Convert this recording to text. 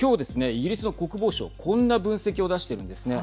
イギリスの国防省、こんな分析を出しているんですね。